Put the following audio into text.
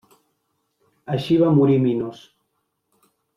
Així va morir Minos.